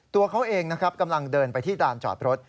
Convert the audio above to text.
ตัวเขาเองกำลังเดินไปที่ลานจอดรถ